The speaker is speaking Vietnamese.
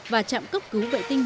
và trạm cấp cứu vệ tinh mùa một năm